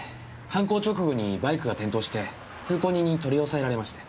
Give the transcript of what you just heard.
犯行直後にバイクが転倒して通行人に取り押さえられまして。